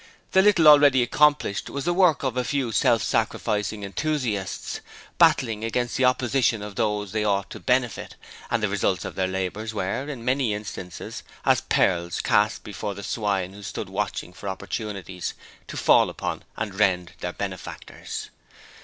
The little already accomplished was the work of a few self sacrificing enthusiasts, battling against the opposition of those they sought to benefit, and the results of their labours were, in many instances, as pearls cast before the swine who stood watching for opportunities to fall upon and rend their benefactors.